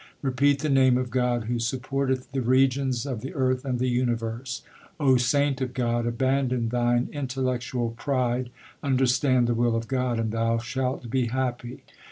Repeat the name of God who supporteth the regions of the earth and the universe. O saint of God, abandon thine intellectual pride, under stand the will of God, and thou shalt be happy.